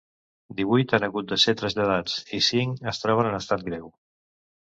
Divuit han hagut de ser traslladats i cinc es troben en estat greu.